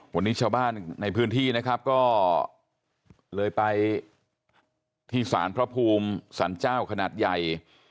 วันนี้ชาวบ้านในพื้นที่นะครับก็เลยไปที่สารพระภูมิสารเจ้าขนาดใหญ่